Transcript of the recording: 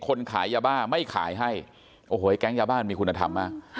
คนขายยาบ้าไม่ขายให้โอ้โหแก๊งยาบ้านมีคุณธรรมมาก